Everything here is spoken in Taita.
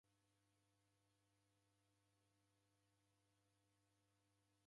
Dasilwa ni kukaia kimusi